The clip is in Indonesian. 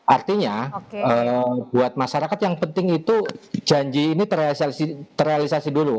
artinya buat masyarakat yang penting itu janji ini terrealisasi dulu